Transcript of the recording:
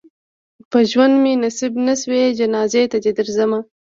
په ژوند مې نصیب نه شوې جنازې ته دې درځم.